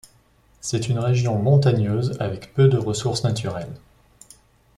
C'est une région montagneuse avec peu de ressources naturelles.